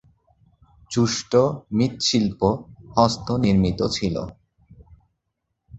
চুস্ট্ মৃৎশিল্প হস্তনির্মিত ছিল।